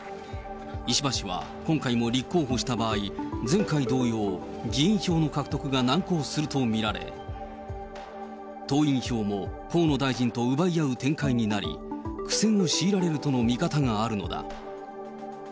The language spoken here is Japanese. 石破氏は今回も立候補した場合、前回同様、議員票の獲得が難航すると見られ、党員票も河野大臣と奪い合う展開となり、苦戦を強いられるとの見方があるのだ。